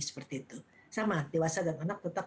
seperti itu sama dewasa dan anak tetap